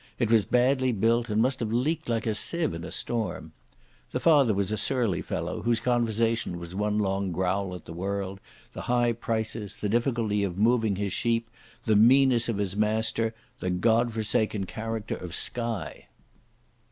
It was badly built, and must have leaked like a sieve in a storm. The father was a surly fellow, whose conversation was one long growl at the world, the high prices, the difficulty of moving his sheep, the meanness of his master, and the godforsaken character of Skye.